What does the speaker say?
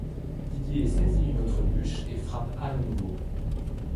Didier saisit une autre bûche et frappe Anne à nouveau.